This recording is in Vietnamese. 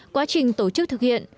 quá trình tổ chức thực hiện